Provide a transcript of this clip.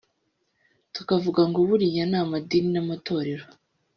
tukavuga ngo buriya amadini n’amatorero